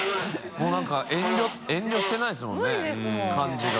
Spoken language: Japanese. もう何か遠慮してないですもんね感じが。